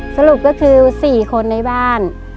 สรุปก็คือ๔คนในบ้าน